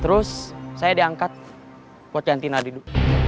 terus saya diangkat buat gantiin adidu